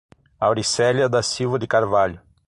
Auricelia da Silva de Carvalho